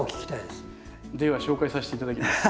では紹介させて頂きます。